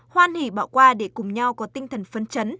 hoan hỷ bỏ qua để cùng nhau có tinh thần phấn chấn